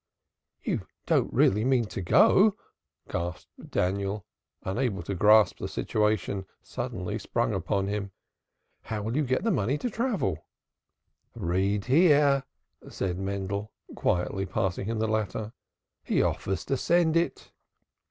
"You don't really mean to go?" gasped Daniel, unable to grasp the situation suddenly sprung upon him. "How will you get the money to travel with?" "Read here!" said Mendel, quietly passing him the letter. "He offers to send it."